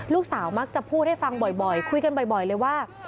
ลูกสาวมักจะพูดให้ฟังบ่อยคุยกันบ่อยเลยว่า